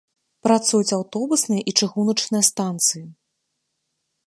Працуюць аўтобусная і чыгуначная станцыі.